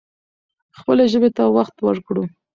خپلې ژبې ته وخت ورکړو.